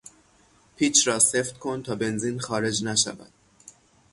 پیچ را سفت کن تا بنزین خارج نشود.